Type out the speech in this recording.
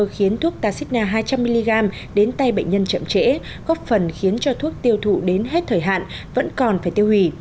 khiến thuốc taxina hai trăm linh mg đến tay bệnh nhân chậm trễ góp phần khiến cho thuốc tiêu thụ đến hết thời hạn vẫn còn phải tiêu hủy